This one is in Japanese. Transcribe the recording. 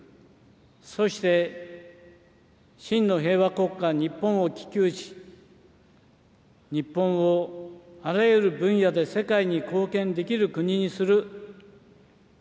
そして、真の平和国家日本を希求し、日本をあらゆる分野で世界に貢献できる国にする。